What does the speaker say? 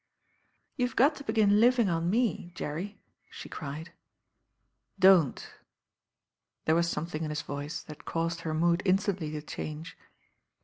"You've got to begin living on me, Jerry," she cried. "Don't I" There was something in his voice that caused her mood instantly to change.